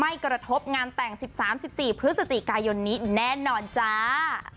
ไม่กระทบงานแต่งสิบสามสิบสี่พฤษจิกายนนี้แน่นอนจ๋า